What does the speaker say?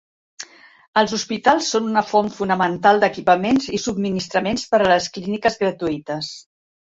Els hospitals són una font fonamental d'equipaments i subministraments per a las clíniques gratuïtes.